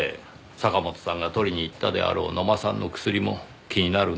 坂本さんが取りに行ったであろう野間さんの薬も気になるんですよ。